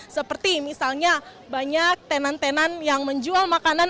seperti misalnya banyak tenan tenan yang menjual makanan